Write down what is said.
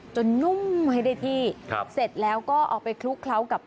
จนนุ่มให้ได้ที่เสร็จแล้วก็เอาไปคลุกเคล้ากับครับ